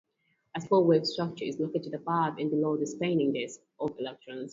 A slow-wave structure is located above and below the spinning disk of electrons.